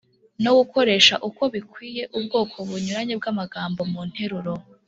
no gukoresha uko bikwiye ubwoko bunyuranye bw’amagambo mu nteruro.